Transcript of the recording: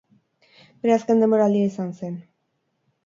Bere azken denboraldia izan zen.